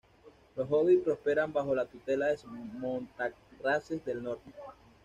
Los Hobbits prosperan bajo la tutela de los Montaraces del Norte.